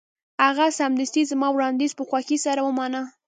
هغه سمدستي زما وړاندیز په خوښۍ سره ومانه